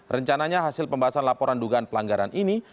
rencananya hasil pembahasan laporan dugaan pelanggaran ini